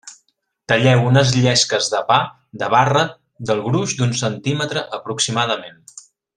Talleu unes llesques de pa de barra del gruix d'un centímetre aproximadament.